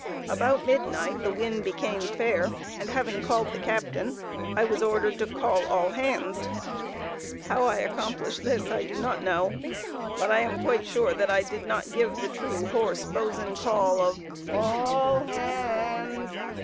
About midnight the wind became fair, and having called the captain, I was ordered to call all hands. How I accomplished this I do not know, but I am quite sure that I did not give the true hoarse boatswain call of "A a ll ha a a nds!